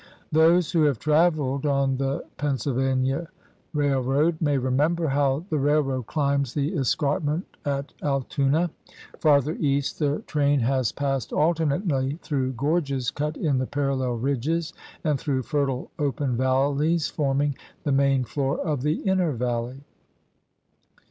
Those who have traveled on the Pennsylvania Railroad may remember how the railroad climbs the es carpment at Altoona. Farther east the train GEOGRAPHIC PROVINCES 65 has passed alternately through gorges cut in the parallel ridges and through fertile open valleys forming the main floor of the inner valley.